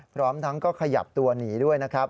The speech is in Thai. พร้อมทั้งก็ขยับตัวหนีด้วยนะครับ